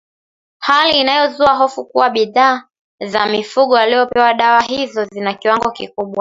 hali inayozua hofu kuwa bidhaa za mifugo waliopewa dawa hizo zina kiwango kikubwa